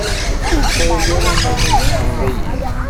Ur ttarra ara iman-im tessneḍ-iyi.